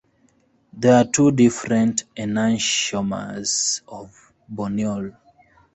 There are two different enantiomers of borneol.